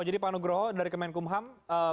jadi pak nugroho dari kemenkumham